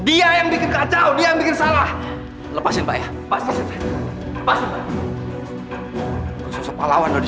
tidak ada apa apa lagi